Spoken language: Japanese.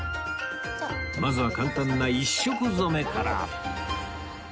まずは簡単な１色染めから